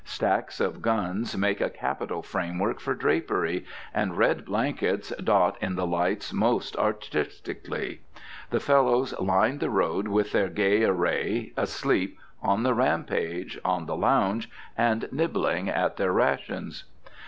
Stacks of guns make a capital framework for drapery, and red blankets dot in the lights most artistically. The fellows lined the road with their gay array, asleep, on the rampage, on the lounge, and nibbling at their rations.